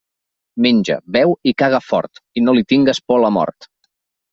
Menja, beu i caga fort, i no li tingues por a la mort.